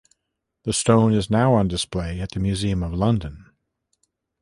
The stone is now on display at the Museum of London.